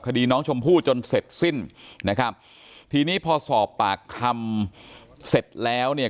คดีน้องชมพู่จนเสร็จสิ้นนะครับทีนี้พอสอบปากคำเสร็จแล้วเนี่ย